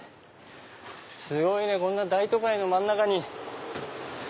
すごいねこんな大都会の真ん中に。